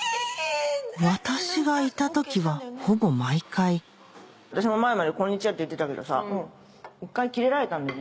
私がいた時はほぼ毎回私も前までは「こんにちは」って言ってたけどさ一回キレられたんだよね